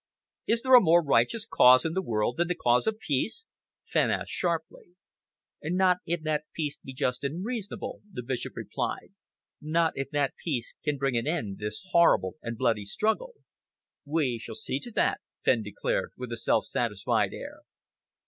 "Is there a more righteous cause in the world than the cause of peace?" Fenn asked sharply. "Not if that peace be just and reasonable," the Bishop replied, "not if that peace can bring to an end this horrible and bloody struggle." "We shall see to that," Fenn declared, with a self satisfied air.